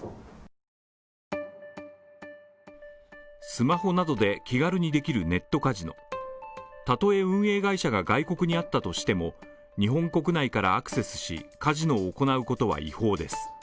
スマホなどで気軽にできるネットカジノ、たとえ運営会社が外国にあったとしても、日本国内からアクセスし、カジノを行うことは違法です。